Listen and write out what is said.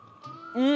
うん！